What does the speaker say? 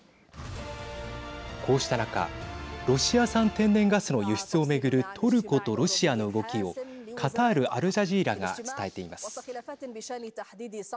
こうした中ロシア産天然ガスの輸出を巡るトルコとロシアの動きをカタール、アルジャジーラが伝えています。